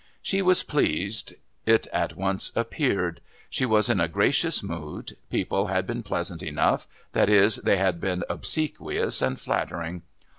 She was pleased, it at once appeared. She was in a gracious mood; people had been pleasant enough that is, they had been obsequious and flattering.